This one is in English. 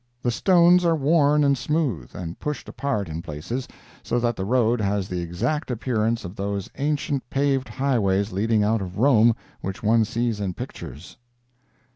The stones are worn and smooth, and pushed apart in places, so that the road has the exact appearance of those ancient paved highways leading out of Rome which one sees in pictures.